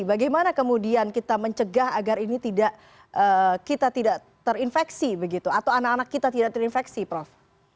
bagaimana kemudian kita mencegah agar ini tidak kita tidak terinfeksi begitu atau anak anak kita tidak terinfeksi prof